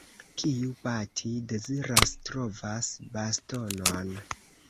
Kiu bati deziras, trovas bastonon.